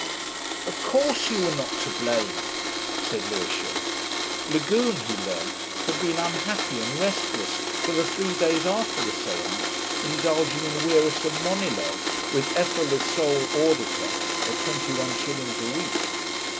"Of course you were not to blame," said Lewisham. Lagune, he learnt, had been unhappy and restless for the three days after the séance indulging in wearisome monologue with Ethel as sole auditor (at twenty one shillings a week).